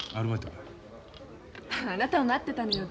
あなたを待ってたのよ